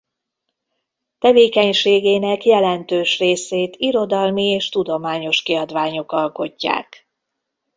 Tevékenységének jelentős részét irodalmi és tudományos kiadványok alkotják.